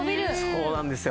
そうなんですよ。